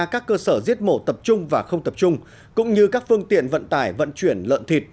các cơ sở giết mổ tập trung và không tập trung cũng như các phương tiện vận tải vận chuyển lợn thịt